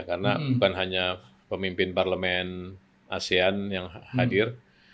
karena bukan hanya pemimpin parlemen asean yang hadir